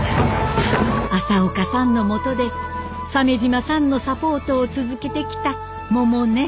朝岡さんのもとで鮫島さんのサポートを続けてきた百音。